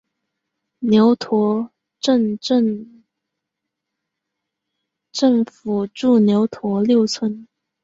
牛驼镇镇政府驻牛驼六村。